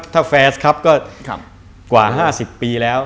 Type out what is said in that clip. ถ้าแฟสครับก็กว่า๕๐ปีแล้ว